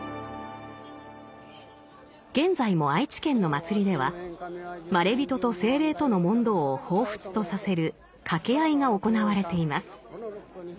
現在も愛知県の祭りではまれびとと精霊との問答を彷彿とさせる掛け合いが行われています。